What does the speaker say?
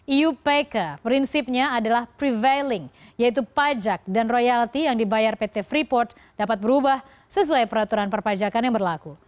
iupk prinsipnya adalah prevailing yaitu pajak dan royalti yang dibayar pt freeport dapat berubah sesuai peraturan perpajakan yang berlaku